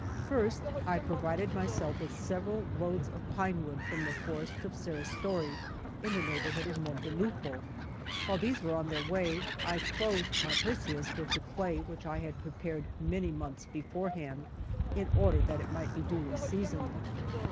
First I provided myself with several loads of pinewood from the forests of Serristori, in the neighbourhood of Montelupo. While these were on their way, I clothed my Perseus with the clay which I had prepared many months beforehand, in order that it might be duly seasoned.